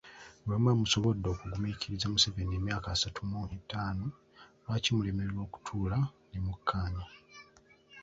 Bwe muba musobodde okugumiikiriza Museveni emyaka asatu mwetaano, lwaki mulemererwa okutuula ne mukkaanya.